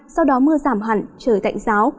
sau đó mưa giảm hẳn trời tạnh giáo